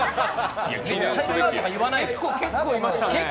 めっちゃいるなとか言わないで！